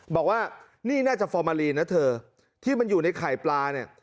บอกว่านี่น่าจะฟอร์มาลีนนะเธอที่มันอยู่ในไข่ปลาเนี่ย